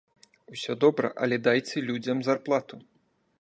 Усё добра, але дайце людзям зарплату!